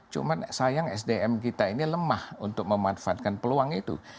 cuma sayang sdm kita ini lemah untuk memanfaatkan peluang itu